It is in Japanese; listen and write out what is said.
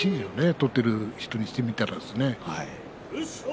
取っている人にしてみたら。